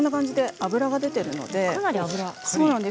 脂が出ているので。